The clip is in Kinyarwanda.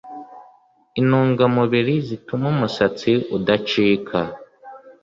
intungamubiri zituma umusatsi udacika ,